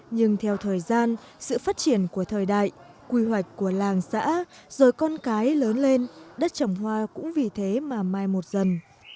nhưng theo thời gian sự phát triển của thời đại quy hoạch của làng xã rồi con cái lớn lên đất trồng hoa cũng vì thế mà mai một dần